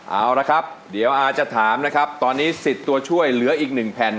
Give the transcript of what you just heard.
เอาละครับเดี๋ยวอาจะถามนะครับตอนนี้สิทธิ์ตัวช่วยเหลืออีกหนึ่งแผ่น